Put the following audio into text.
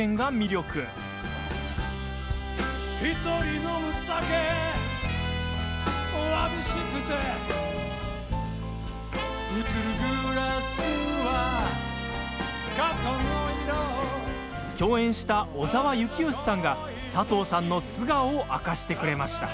「過去の色」共演した小澤征悦さんが佐藤さんの素顔を明かしてくれました。